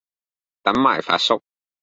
等埋發叔